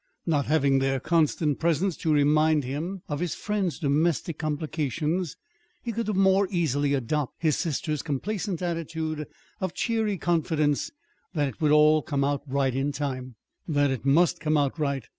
Not having their constant presence to remind him of his friend's domestic complications, he could the more easily adopt his sister's complacent attitude of cheery confidence that it would all come out right in time that it must come out right.